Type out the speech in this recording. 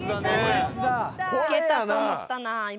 いけたと思ったな今。